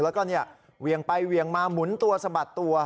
แล้วก็เวียงไปเวียงมาหมุนตัวสะบัดตัว